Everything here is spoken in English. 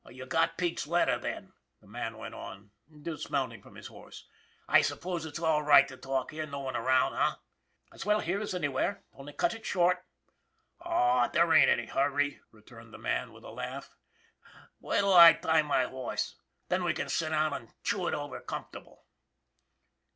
" You got Pete's letter, then," the man went on, dismounting from his horse. " I suppose it's all right to talk here. No one around, eh ?"" As well here as anywhere. Only cut it short." " Oh, there ain't any hurry," returned the man, with a laugh. " Wait till I tie my horse, then we can sit down and chew it over comfortable."